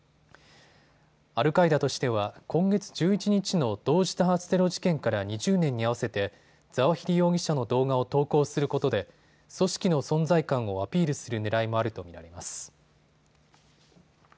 アルカイダとしては今月１１日の同時多発テロ事件から２０年に合わせてザワヒリ容疑者の動画を投稿することで組織の存在感をアピールするねらいもあると見られます。